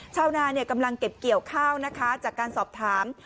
ชาวนากำลังเก็บเกี่ยวข้าวนะคะจากการสอบถาม